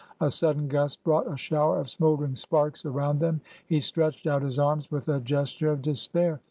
A sudden gust brought a shower of smoldering sparks around them. He stretched out his arms with a gesture of despair.